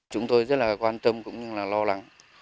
chúng tôi rất là quan tâm cũng như là lo lắng